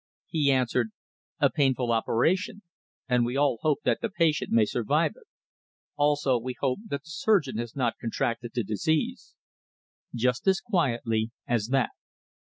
He answered: "A painful operation, and we all hope that the patient may survive it; also we hope that the surgeon has not contracted the disease." Just as quietly as that.